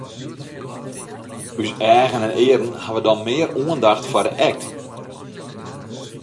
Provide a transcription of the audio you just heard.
Us eagen en earen hawwe dan mear oandacht foar de act.